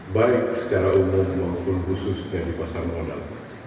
baik secara umum maupun khusus dari pasar modal